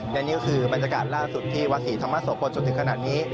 และนี่ก็คือบรรยากาศล่าสุดที่วัฒิธรรมศาสตร์โฟนจนถึงขนาดนี้